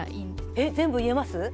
えっ全部言えます？